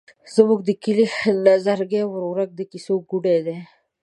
زموږ د کلي نظرګي ورورک د کیسو ګوډی دی.